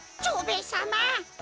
蝶兵衛さま。